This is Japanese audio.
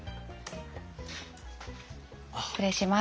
失礼します。